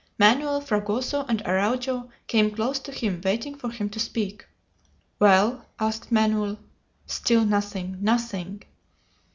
Manoel, Fragoso, and Araujo came close to him, waiting for him to speak. "Well?" asked Manoel. "Still nothing! Nothing!"